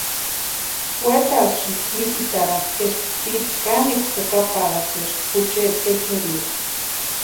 Wetarhesïnti mítetarani eska tsiri kanekwa jukaparhakweska juchari echerio.